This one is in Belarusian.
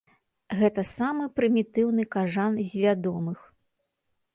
Гэта самы прымітыўны кажан з вядомых.